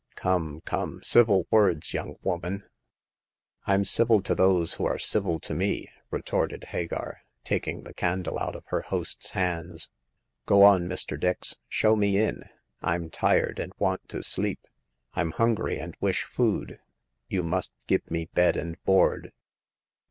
" Come, come ! Civil words, young woman !"" I'm civil to those who are civil to me," retorted Hagar, taking the candle out of her host's hands. "Go on, Mr. Dix, show me in ; Fm tired, and want to sleep. I'm hungry, and wish food. You must give me bed and board."